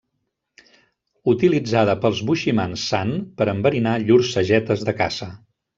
Utilitzada pels boiximans San per enverinar llurs sagetes de caça.